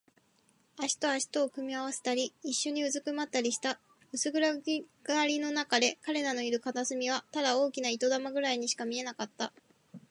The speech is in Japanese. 腕と脚とを組み合わせたり、いっしょにうずくまったりした。薄暗がりのなかで、彼らのいる片隅はただ大きな糸玉ぐらいにしか見えなかった。